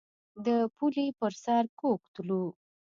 د پولې پر سر کوږ تلو.